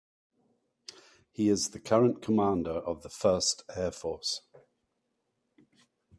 He is the current commander of the First Air Force.